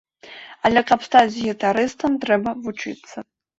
Але каб стаць гітарыстам, трэба вучыцца.